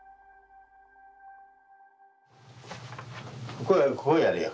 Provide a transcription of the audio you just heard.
ここへこうやれよ